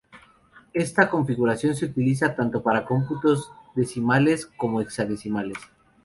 Esta configuración se utiliza tanto para cómputos decimales como hexadecimales.